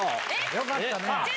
よかったね。